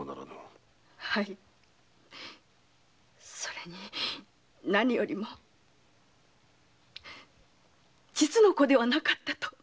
それに何よりも実の子ではなかったと。